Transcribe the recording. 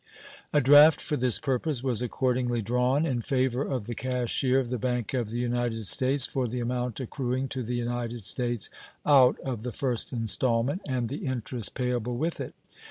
A draft for this purpose was accordingly drawn in favor of the cashier of the Bank of the United States for the amount accruing to the United States out of the first installment, and the interest payable with it.